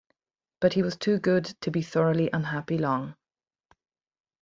But he was too good to be thoroughly unhappy long.